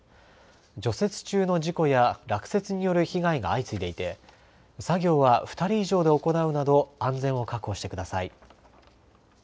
除雪中の事故や落雪による被害が相次いでいて作業は２人以上で行うなど安全を確保してください。